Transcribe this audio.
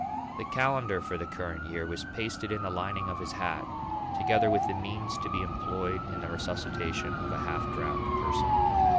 The calendar for the current year was pasted in the lining of his hat, together with the means to be employed in the resuscitation of a half drowned person.